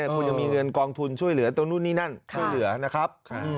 คุณยังมีเงินกองทุนช่วยเหลือตรงนู่นนี่นั่นช่วยเหลือนะครับ